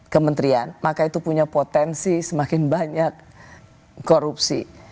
kementerian maka itu punya potensi semakin banyak korupsi